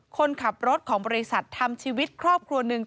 คนขับรถของบริษัททำชีวิตครอบครัวหนึ่ง